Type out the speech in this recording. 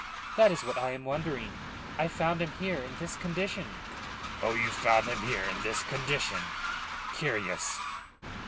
"That is what I am wondering. I found him here in this condition." "You found him here? Oh, you found him here in this condition! Curious!"